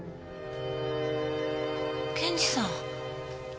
検事さん。